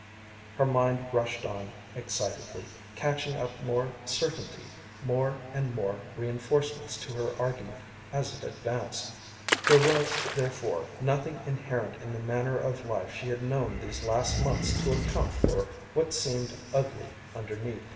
Her mind rushed on excitedly, catching up more certainty, more and more reinforcements to her argument as it advanced. There was, therefore, nothing inherent in the manner of life she had known these last months to account for what seemed ugly underneath.